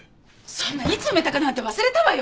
そんないつ埋めたかなんて忘れたわよ！